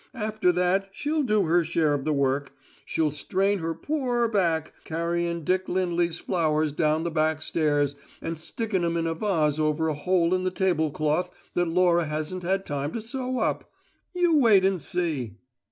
After that, she'll do her share of the work: she'll strain her poor back carryin' Dick Lindley's flowers down the back stairs and stickin' 'em in a vase over a hole in the tablecloth that Laura hasn't had time to sew up. You wait and see!"